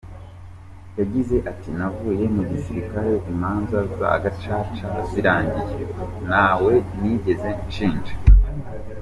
Yagize ati"Navuye mu gisirikare imanza za gacaca zirangiye, ntawe nigeze nshinja".